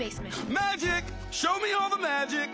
マジック！